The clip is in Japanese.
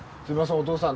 お父さん